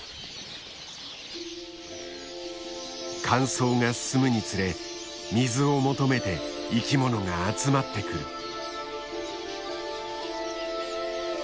乾燥が進むにつれ水を求めて生きものが集まってくる。